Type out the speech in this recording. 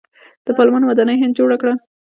د پارلمان ودانۍ هند جوړه کړه.